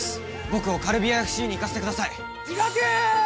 僕をカルビアＦＣに行かせてください伊垣ー！